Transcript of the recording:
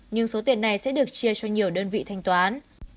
nhưng số tiền này sẽ được chia cho nhiều đơn vị thanh toán